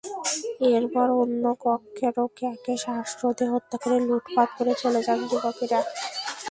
এরপর অন্য কক্ষে রোকেয়াকে শ্বাসরোধে হত্যা করে লুটপাট করে চলে যান যুবকেরা।